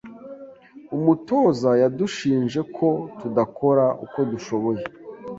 Umutoza yadushinje ko tudakora uko dushoboye.